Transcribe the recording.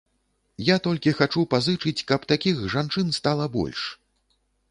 Я толькі хачу пазычыць, каб такіх жанчын стала больш.